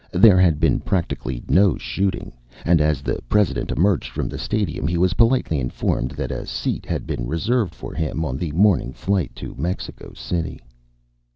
There had been practically no shooting, and as the President emerged from the stadium, he was politely informed that a seat had been reserved for him on the morning flight to Mexico City.